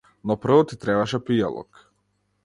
Но прво ти требаше пијалок.